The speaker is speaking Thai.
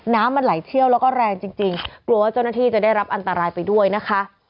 น้ำมันไหลเชี่ยวแล้วก็แรงจริงกลัวว่าเจ้าหน้าที่จะได้รับอันตรายไปด้วยนะคะ